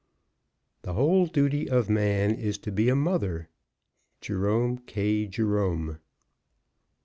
The whole duty of man is to be a mother. _Jerome K. Jerome.